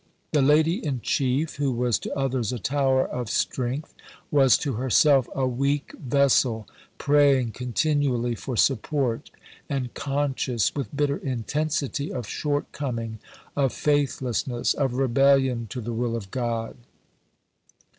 The Lady in Chief, who was to others a tower of strength, was to herself a weak vessel, praying continually for support, and conscious, with bitter intensity, of short coming, of faithlessness, of rebellion to the will of God.